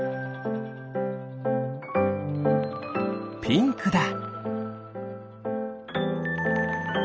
ピンクだ！